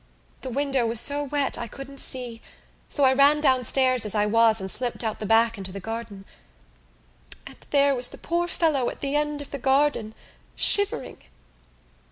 The window was so wet I couldn't see so I ran downstairs as I was and slipped out the back into the garden and there was the poor fellow at the end of the garden, shivering."